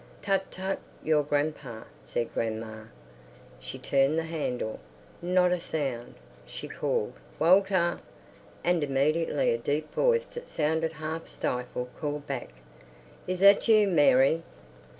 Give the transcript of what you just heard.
"Tut! tut! Your grandpa," said grandma. She turned the handle. Not a sound. She called, "Walter!" And immediately a deep voice that sounded half stifled called back, "Is that you, Mary?"